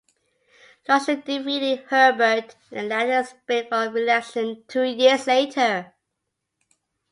Lausche defeated Herbert in the latter's bid for re-election two years later.